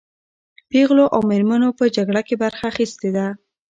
پېغلو او مېرمنو په جګړه کې برخه اخیستې ده.